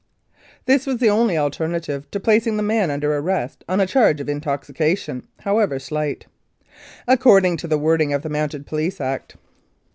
This was the only alternative to placing the man under arrest on a charge of "Intoxication, however slight," according to the wording of the Mounted Police Act.